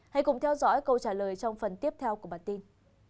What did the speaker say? hãy cùng theo dõi câu trả lời trong phần tiếp theo của bản tin